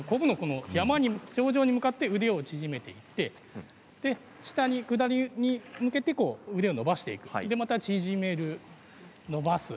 頂上に向かって腕を縮めていく下りに向けて腕を伸ばしていくまた縮める、また伸ばす。